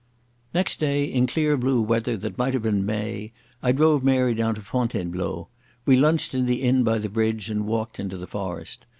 Next day, in clear blue weather that might have been May, I drove Mary down to Fontainebleau. We lunched in the inn by the bridge and walked into the forest.